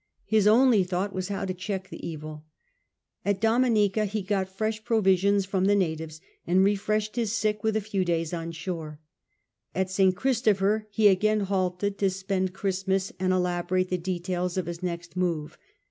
His only thought was how to check the evil At Dominica he got fresh provisions from the natives, and refreshed his sick with a few days on shore. At St Christopher he again halted to spend Christmas and elaborate the details of his next move.